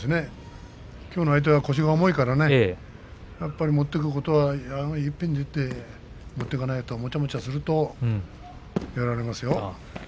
きょうの相手は腰が重いからねいっぺんに出て持っていかないともちゃもちゃするとだめですよ。